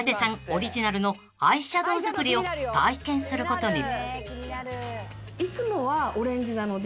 オリジナルのアイシャドウ作りを体験することに］